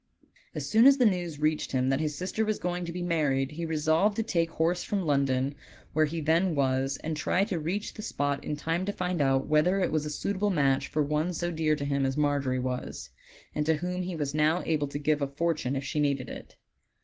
As soon as the news reached him that his sister was going to be married he resolved to take horse from London, where he then was, and try to reach the spot in time to find out whether it was a suitable match for one so dear to him as Margery was, and to whom he was now able to give a fortune if she needed it.